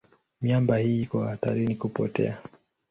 Miamba hii iko hatarini kupotea.